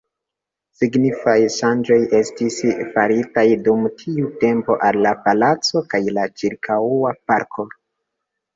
Signifaj ŝanĝoj estis faritaj dum tiu tempo al la palaco kaj la ĉirkaŭa parko.